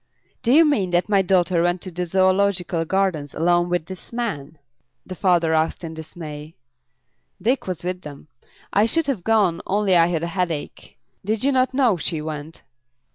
"Do you mean that my daughter went to the Zoological Gardens alone with this man?" the father asked in dismay. "Dick was with them. I should have gone, only I had a headache. Did you not know she went?"